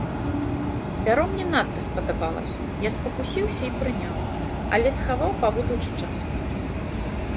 Пяро мне надта спадабалася, я спакусіўся і прыняў, але схаваў па будучы час.